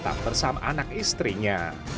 dan tak bersama anak istrinya